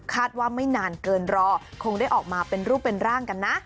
ไม่นานเกินรอคงได้ออกมาเป็นรูปเป็นร่างกันนะ